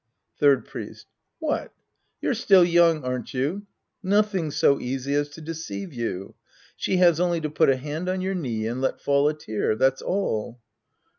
Third Priest. What! You're still young, aren't you? Nothing's so easy as to deceive you. She has only to put a hand on your knee and let fall a tear, — ^that's all.